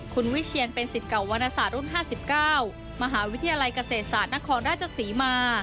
คุณวิเชียนเป็นสิทธิ์เก่าวรรณศาสตร์รุ่น๕๙มหาวิทยาลัยเกษตรศาสตร์นครราชศรีมา